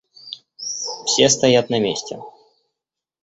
Все стоят на месте.